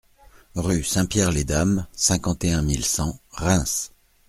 Rue Saint-Pierre les Dames, cinquante et un mille cent Reims